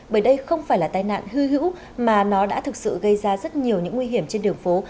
bởi đây không phải là tai nạn hư hữu mà nó đã thực sự gây ra rất nhiều những nguy hiểm trên đường phố